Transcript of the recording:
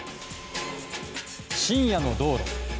深夜の道路。